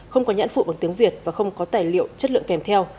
không có nhãn phụ bằng tiếng việt và không có tài liệu chất lượng kèm theo